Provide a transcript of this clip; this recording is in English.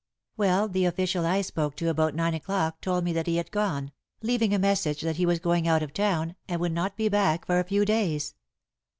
"Well, the official I spoke to about nine o'clock told me that he had gone, leaving a message that he was going out of town, and would not be back for a few days."